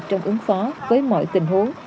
trong ứng phó với mọi tình huống